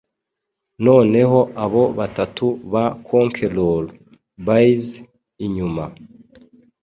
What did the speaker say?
Noneho abo Batatu ba Conquerour, baize inyuma